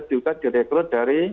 juga direkrut dari